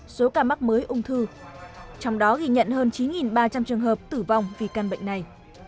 số ca mắc mới ung thư trong đó ghi nhận hơn chín ba trăm linh trường hợp tử vong vì căn bệnh này